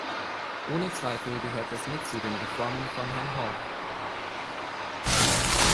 Ohne Zweifel gehört das mit zu den Reformen von Herrn Hague.